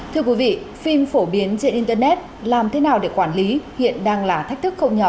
thưa quý vị phim phổ biến trên internet làm thế nào để quản lý hiện đang là thách thức không nhỏ